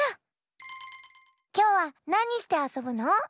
きょうはなにしてあそぶの？